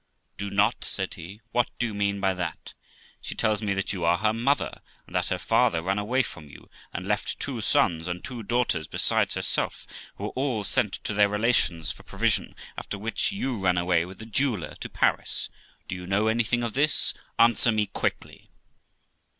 'Do not!' said he, 'what do you mean by that? She tells me that you are her mother, and that her father ran away from you, and left two sons, and two daughters besides herself, who were all sent to their relations for provision, after which you ran away with a jeweller to Paris. Do you know anything of this? Answer me quickly.'